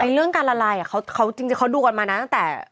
เรื่องการละลายเขาดูกันมาตั้งแต่